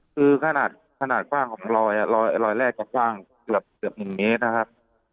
คือขนาดขนาดกว้างของรอยอ่ะรอยรอยแรกจะกว้างเกือบเกือบหนึ่งเมตรนะครับ